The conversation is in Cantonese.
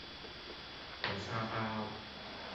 豆沙包